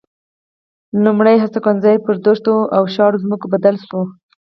لومړ هستوګنځي پر دښتو او شاړو ځمکو بدل شول.